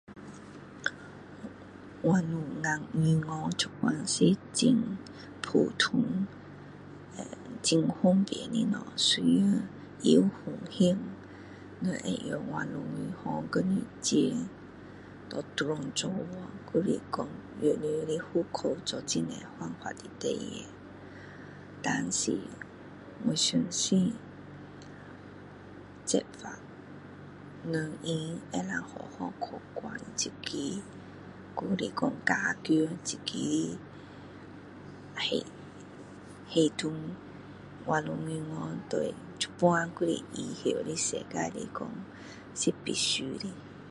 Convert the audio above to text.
网络银行现在是很普通很方便的东西虽然他有风险人会用网络银行跟你钱转走去还是用你的户口做很多犯法的事但是我相信执法人员可以好好去管这个还是说加强这个黑黑通网络银行对现在还是以后的世界来说是必须的